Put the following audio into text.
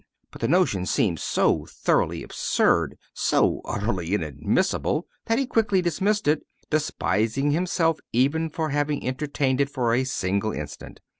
But the notion seemed so thoroughly absurd, so utterly inadmissible that he quickly dismissed it, despising himself even for having entertained it for a single instant.